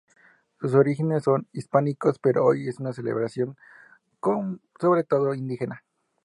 Sus orígenes son hispánicos, pero hoy es una celebración sobre todo indígena.